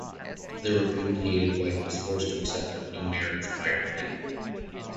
The repudiated wife was forced to accept a new marriage by her family.